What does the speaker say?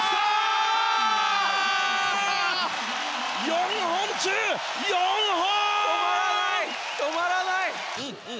４本中４本！